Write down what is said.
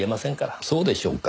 そうでしょうか。